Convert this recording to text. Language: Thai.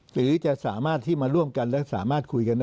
หรือจะสามารถที่มาร่วมกันและสามารถคุยกันได้